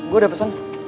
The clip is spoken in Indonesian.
gue udah pesen